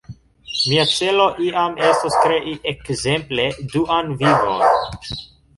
Mia celo iam estos krei, ekzemple, Duan Vivon.